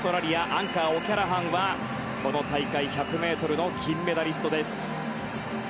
アンカー、オキャラハンはこの大会１００ｍの金メダリストです。